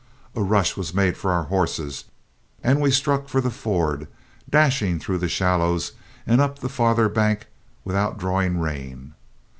A rush was made for our horses, and we struck for the ford, dashing through the shallows and up the farther bank without drawing rein.